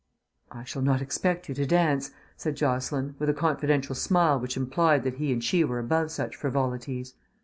"I shall not expect you to dance," said Jocelyn, with a confidential smile which implied that he and she were above such frivolities.